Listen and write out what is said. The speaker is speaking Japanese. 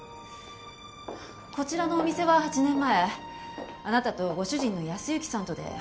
こちらのお店は８年前あなたとご主人の靖之さんとで始められたそうですね？